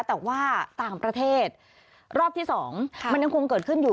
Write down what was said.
แต่ว่าต่างประเทศรอบที่๒มันยังคงเกิดขึ้นอยู่